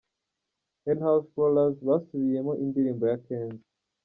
Henhouse Prowlers basubiyemo indirimbo ya Kenzo.